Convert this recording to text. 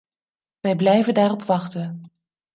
Wij blijven daarop wachten.